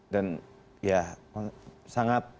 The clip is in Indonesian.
dan ya sangat